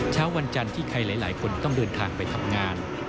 วันจันทร์ที่ใครหลายคนต้องเดินทางไปทำงาน